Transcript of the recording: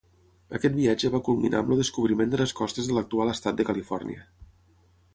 Aquest viatge va culminar amb el descobriment de les costes de l'actual estat de Califòrnia.